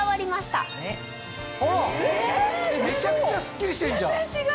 めちゃくちゃスッキリしてんじゃん。